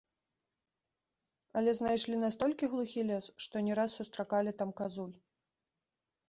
Але знайшлі настолькі глухі лес, што не раз сустракалі там казуль.